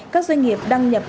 các doanh nghiệp đăng nhập